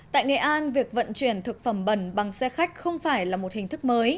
tại nghệ an việc vận chuyển thực phẩm bẩn bằng xe khách không phải là một hình thức mới